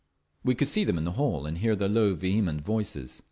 We could see them in the hall, and hear their low, vehement voices.